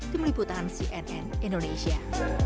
tim liputan cnn indonesia